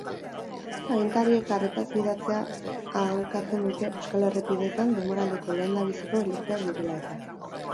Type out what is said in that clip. Agintariek arretaz gidatzea aholkatzen dute euskal errepideetan denboraldiko lehendabiziko elurteak direla eta.